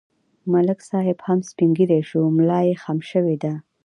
ملک صاحب هم سپین ږیری شو، ملایې خم شوې ده.